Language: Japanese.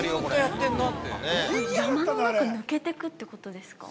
◆山の中抜けてくってことですか。